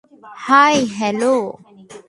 High, hello.